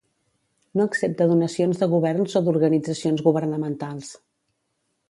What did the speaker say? No accepta donacions de governs o d'organitzacions governamentals.